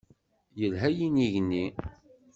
Yelha yinig-nni.